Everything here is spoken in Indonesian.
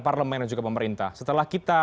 parlemen dan juga pemerintah setelah kita